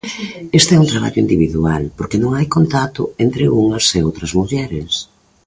Este é un traballo individual, porque non hai contacto entre unhas e outras mulleres.